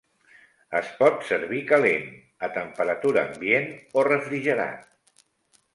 Es pot servir calent, a temperatura ambient o refrigerat.